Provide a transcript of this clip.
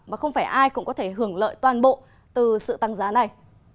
và không phải ai cũng có thể hưởng lợi toàn bộ từ sự tăng giá này